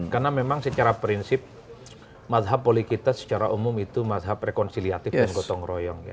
karena memang secara prinsip mazhab polikita secara umum itu mazhab rekonsiliatif dan gotong royong